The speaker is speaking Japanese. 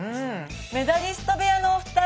メダリスト部屋のお二人。